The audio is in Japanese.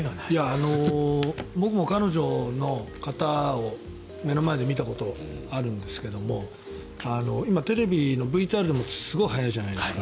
僕も彼女の形を目の前で見たことあるんですけど今、テレビのＶＴＲでもすごい速いじゃないですか。